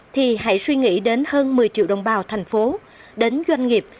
thì hãy suy nghĩ đến hơn một mươi triệu đồng bào thành phố đến doanh nghiệp